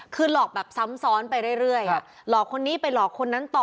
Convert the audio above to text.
คือหลอกแบบซ้ำซ้อนไปเรื่อยหลอกคนนี้ไปหลอกคนนั้นต่อ